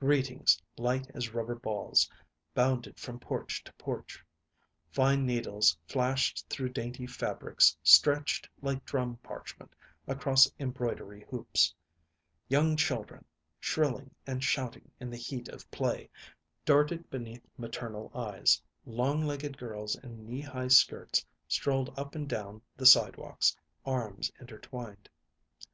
Greetings, light as rubber balls, bounded from porch to porch. Fine needles flashed through dainty fabrics stretched like drum parchment across embroidery hoops; young children, shrilling and shouting in the heat of play, darted beneath maternal eyes; long legged girls in knee high skirts strolled up and down the sidewalks, arms intertwined.